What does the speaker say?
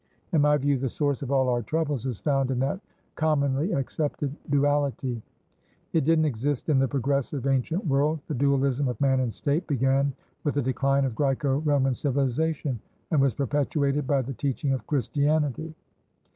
In my view, the source of all our troubles is found in that commonly accepted duality. It didn't exist in the progressive ancient world. The dualism of Man and State began with the decline of Graeco Roman civilisation, and was perpetuated by the teaching of Christianity.